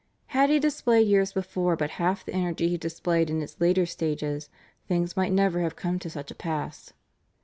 Had he displayed years before but half the energy he displayed in its later stages things might never have come to such a pass.